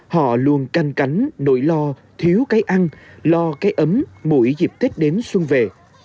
họ luôn canh cánh nỗi lo thiếu cây ăn lo cây ấm mỗi dịp tết đến xuân về